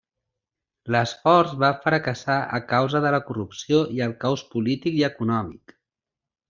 L'esforç va fracassar a causa de la corrupció i el caos polític i econòmic.